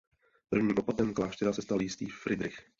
Prvním opatem kláštera se stal jistý Fridrich.